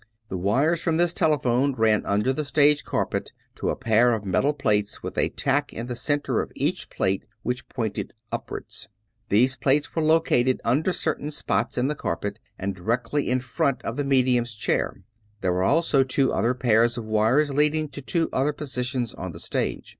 The wires from this telephone ran under the stage carpet to a pair of metal plates with a tack in the center of each plate which pointed upward. These plates were located under certain spots in the carpet and directly in front of the medium's chair. There were also two other pairs of wires leading to two other positions on the stage.